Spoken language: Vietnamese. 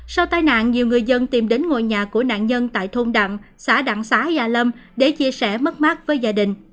sau tai nạn nhiều người dân tìm đến ngôi nhà của nạn nhân tại thôn đặng xã đặng xá gia lâm để chia sẻ mất mát với gia đình